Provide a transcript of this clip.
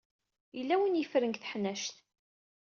Yella win yeffren deg teḥnact.